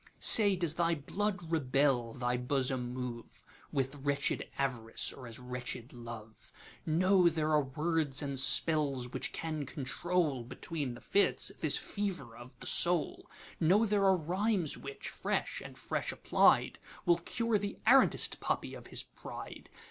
Say, does thy blood rebel, thy bosom moveWith wretched Av'rice, or as wretched Love? Know there are words and spells which can control, Between the fits, this fever of the soul; Know there are rhymes which, fresh and fresh applied, Will cure the arrant'st puppy of his pride.